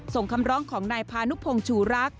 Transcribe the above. ส่งคำร้องของนายพานุพงศ์ชู่รักษ์